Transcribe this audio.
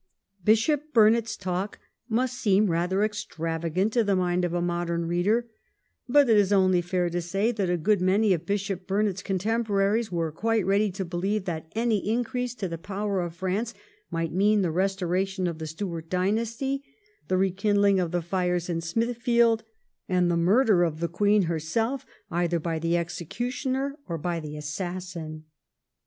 Bishop Burnet's talk must seem rather extravagant to the mind of a modern reader, but it is only fair to say that a good many of Bishop Burnet's con temporaries were quite ready to believe that any increase to the power of France might mean the restoration of the Stuart dynasty, the rekindling of the fires in Smithfield, and the murder of the 92 THE EEIGN OF QUEEN ANNE. ch. xxv. Queen herself either by the executioner or by the assassin.